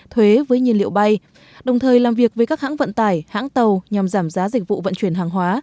thuế với nhiên liệu bay đồng thời làm việc với các hãng vận tải hãng tàu nhằm giảm giá dịch vụ vận chuyển hàng hóa